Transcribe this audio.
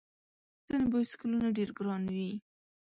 ځینې بایسکلونه ډېر ګران وي.